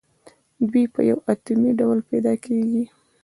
دوی په یو اتومي ډول پیداکیږي.